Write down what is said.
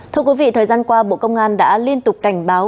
thưa quý vị thời gian qua bộ công an đã liên tục cảnh báo